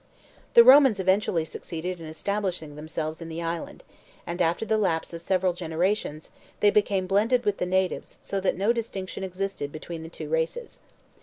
The Romans eventually succeeded in establishing themselves in the island, and after the lapse of several generations they became blended with the natives so that no distinction existed between the two races.